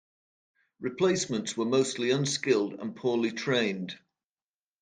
Replacements were mostly unskilled and poorly trained.